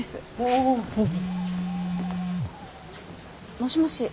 もしもし。